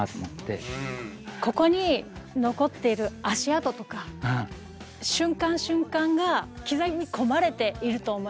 ここに残っている足跡とか瞬間瞬間が刻み込まれていると思います。